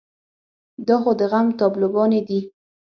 دا خو د غم تابلوګانې دي.